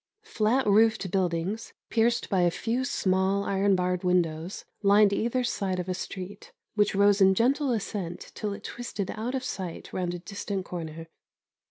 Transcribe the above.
Flat roofed buildings, pierced by a few small iron barred windows, lined either side of a street, which rose in a gentle ascent till it twisted out of sight round a distant corner.